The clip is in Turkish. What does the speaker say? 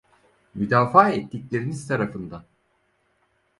Müdafaa ettikleriniz tarafından!